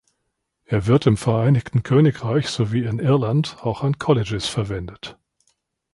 Er wird im Vereinigten Königreich sowie in Irland auch an Colleges verwendet.